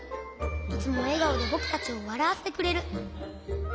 いつもえがおでぼくたちをわらわせてくれる。